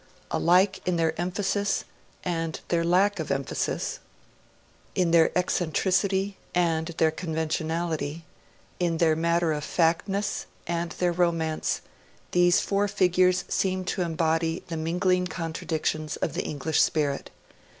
Alike in their emphasis and their lack of emphasis, in their eccentricity and their conventionality, in their matter of factness and their romance, these four figures seem to embody the mingling contradictions of the English spirit.